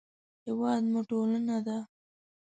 هېواد مو ټولنه ده